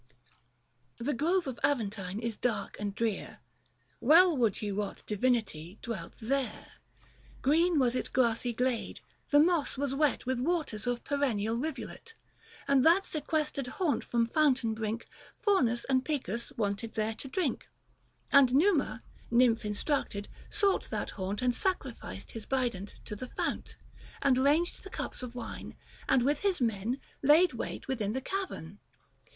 The grove of Aventine is dark and drear ;• Well would ye wot divinity dwelt there. 315 78 THE FASTI. Book III. Green was its grassy glade, the moss was wet With waters of perennial rivulet ; At that sequestered haunt from fountain brink Faunus and Pious wonted were to drink ; And Numa, nymph instructed, sought that haunt 320 And sacrificed his bident to the fount, And ranged the cups of wine, and with his men Laid wait within the cavern.